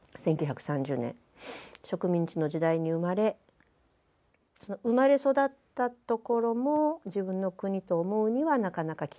植民地の時代に生まれその生まれ育ったところも自分の国と思うにはなかなか厳しい。